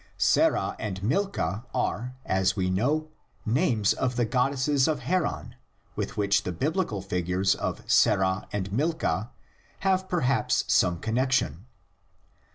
Sarah and Milkah are, as we know, names of the god desses of Haran, with which the Biblical figures of Sarah and Milkah have perhaps some connexion.